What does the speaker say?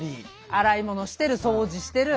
洗い物してる掃除してる。